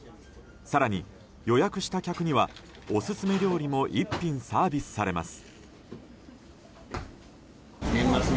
更に、予約した客にはオススメ料理も１品サービスされます。